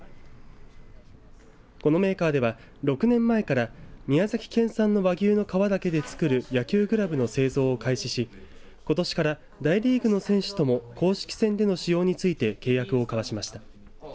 このメーカーでは６年前から宮崎県産の和牛の革だけで作る野球グラブの製造を開始しことしから大リーグの選手とも公式戦での使用について契約を交わしました。